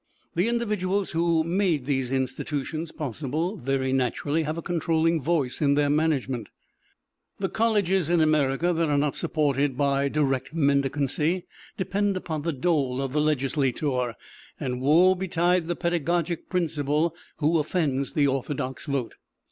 The individuals who made these institutions possible very naturally have a controlling voice in their management. The colleges in America that are not supported by direct mendicancy depend upon the dole of the legislator, and woe betide the pedagogic principal who offends the orthodox vote.